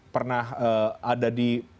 pernah ada di